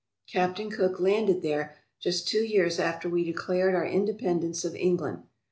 Captain Cook landed there just two years after we declared our independence of England.